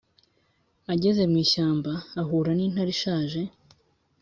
Ageze mu ishyamba, ahura n'intare ishaje,